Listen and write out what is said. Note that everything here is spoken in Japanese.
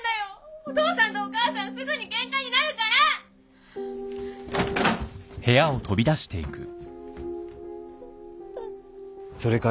お父さんとお母さんすぐにケンカになるから！